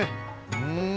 うん！